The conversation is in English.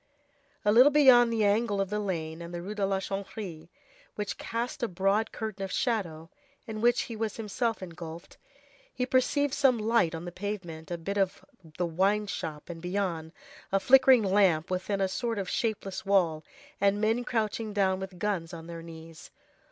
A little beyond the angle of the lane and the Rue de la Chanvrerie which cast a broad curtain of shadow, in which he was himself engulfed, he perceived some light on the pavement, a bit of the wine shop, and beyond, a flickering lamp within a sort of shapeless wall, and men crouching down with guns on their knees.